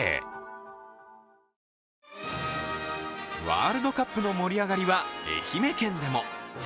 ワールドカップの盛り上がりは愛媛県でも。